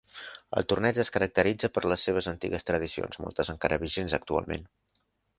El torneig es caracteritza per les seves antigues tradicions, moltes encara vigents actualment.